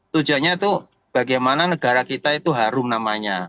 tujuannya itu bagaimana negara kita itu harum namanya